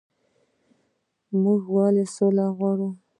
موږ ولې سوله غواړو؟